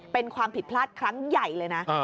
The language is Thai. เป็นความผิดพลาดครั้งใหญ่เลยนะ